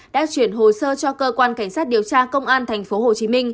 đã chuyển hồ sơ cho cơ quan cảnh sát điều tra công an tp hcm